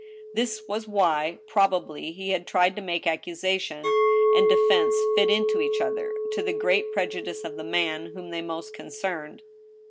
This was why, probably, he had tried to make accusation and defense fit into each other, to the great prejudice of the man whom they most concerned.